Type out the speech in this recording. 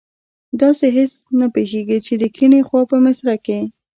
داسې هېڅ نه پیښیږي چې د کیڼي خوا په مصره کې.